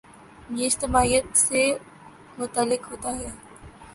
یہ اجتماعیت سے متعلق ہوتا ہے۔